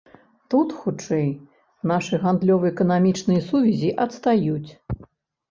Тут, хутчэй, нашы гандлёва-эканамічныя сувязі адстаюць.